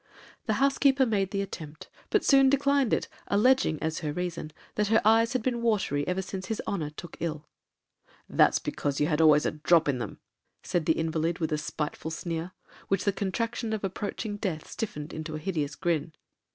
The housekeeper made the attempt, but soon declined it, alleging, as her reason, that her eyes had been watery ever since his honor took ill. 'That's because you had always a drop in them,' said the invalid, with a spiteful sneer, which the contraction of approaching death stiffened into a hideous grin.